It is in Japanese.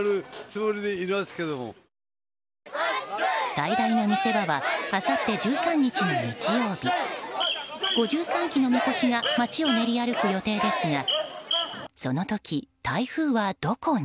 最大の見せ場はあさって１３日の日曜日５３基のみこしが街を練り歩く予定ですがその時、台風はどこに。